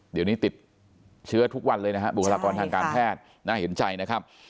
เดี๋ยวนี้ติดเชื้อทุกวันเลยนะฮะบุคลากรทางการแพทย์น่าเห็นใจนะครับ